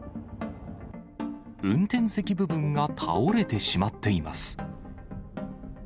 運転席部分が倒れてしまっています。